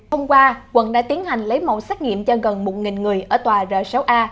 hôm qua quận đã tiến hành lấy mẫu xét nghiệm cho gần một người ở tòa r sáu a